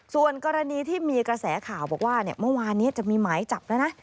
ส่วนกรณีที่มีกระแสข่าวบอกว่าเมื่อวานนี้จะมีหมายจับแล้วนะ